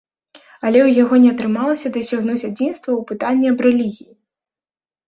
Але ў яго не атрымалася дасягнуць адзінства ў пытанні аб рэлігіі.